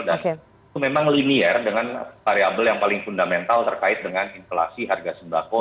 dan itu memang linear dengan variable yang paling fundamental terkait dengan inflasi harga sembako